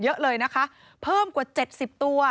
เยอะเลยนะคะเพิ่มกว่า๗๐ตัว